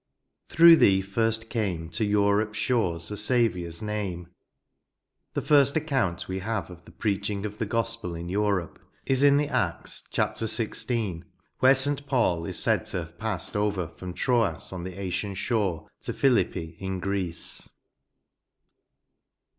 •" Through thee first came To Europe*8 shores a Saviour* s name" The first account we have of the preaching of the gospel in Europe is in the Acts XVI. chap., where St. Paul is said to have passed over from Troas, on the Asian shore, to Phillipi, in Greece.